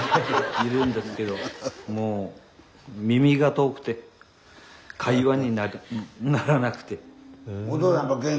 いるんですけどもう耳が遠くて会話にならなくて。